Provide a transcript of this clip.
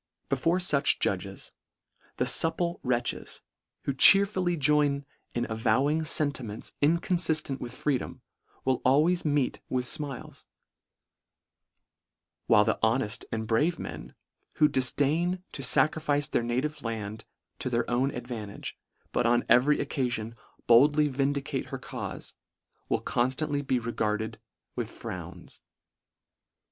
Before fuch judges, the fupple wretches, who cheerfully join in avo wing fentimentsinconfiftent with freedom, will always meet with fmiles : while the ho neft and brave men, who difdain to facrifice their native land to their own advantage, but on every occafion, boldly vindicate her caufe, will conftantly be regarded with frowns.